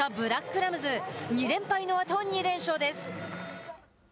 ラムズ２連敗のあと２連勝です。